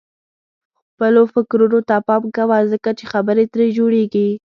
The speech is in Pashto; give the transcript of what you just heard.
خپلو فکرونو ته پام کوه ځکه چې خبرې ترې جوړيږي.